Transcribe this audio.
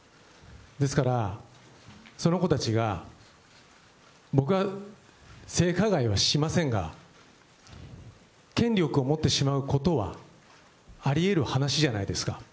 ですから、その子たちが僕が性加害はしませんが、権力を持ってしまうことはありえる話じゃないですか。